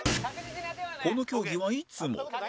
この競技はいつも